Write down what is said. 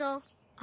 あ？